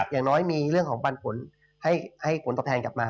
อย่างน้อยมีเรื่องของปันผลให้ผลตอบแทนกลับมา